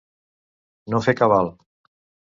No fer cabal.